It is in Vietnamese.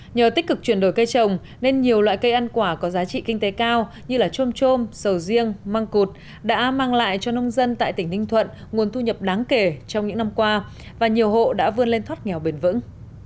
nhờ tích cực chuyển đổi cây trồng nên nhiều loại cây ăn quả có giá trị kinh tế cao như trôm trôm sầu riêng măng cụt đã mang lại cho nông dân tại tỉnh ninh thuận nguồn thu nhập đáng kể trong những năm qua và nhiều hộ đã vươn lên thoát nghèo bền vững